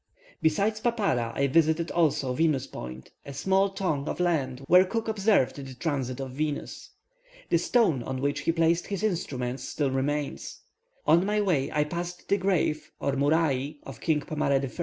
Besides Papara, I visited also Venus Point, a small tongue of land where Cook observed the transit of Venus. The stone on which he placed his instruments still remains. On my way, I passed the grave, or murai, of King Pomare I.